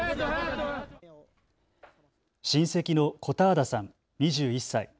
親戚のコターダさん、２１歳。